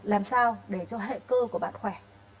làm sao để cho hệ cơ của bạn khỏe